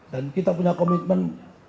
dan kita punya komitmen